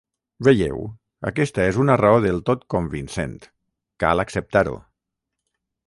Veieu? Aquesta és una raó del tot convincent: cal acceptar-ho.